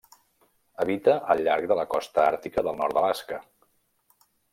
Habita al llarg de la costa àrtica del nord d'Alaska.